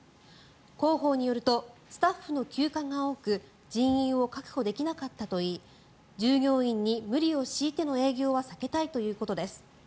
広報によるとスタッフの休暇が多く人員を確保できなかったといい従業員に無理を強いての営業は避けたいということです。